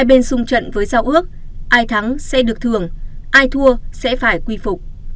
hai bên sung trận với giao ước ai thắng sẽ được thường ai thua sẽ phải quy phục